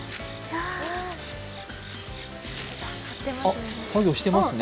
あ、作業してますね。